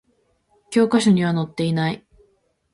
教科書には載っていない